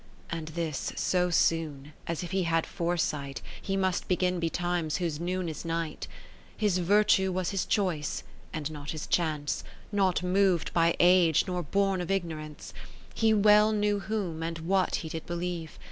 And this so soon, as if he had foresight, He must begin betimes whose noon is night. 30 His virtue was his choice, and not his chance. Not mov'd by Age, nor born of Ignorance. He well knew whom, and what he did believe.